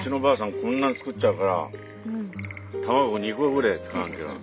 こんなに作っちゃうから卵２個ぐらい使わなきゃ。